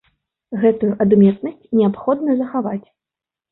Гэтую адметнасць неабходна захаваць.